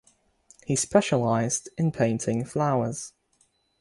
He specialized in painting flowers.